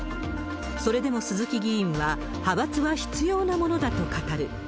それでも鈴木議員は、派閥は必要なものだと語る。